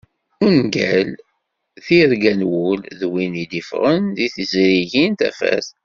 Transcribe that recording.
Ungal tirga n wul d win i d-yeffɣen deg tiẓrigin Tafat.